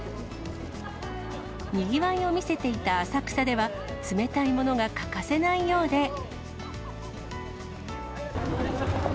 にぎわいを見せていた浅草では、冷たいものが欠かせないようで。